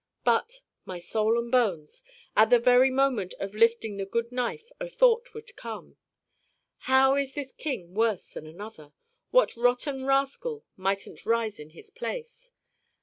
But, my Soul and bones! at the very moment of lifting the good knife a thought would come: 'How is this king worse than another? What rotten rascal mightn't rise in his place?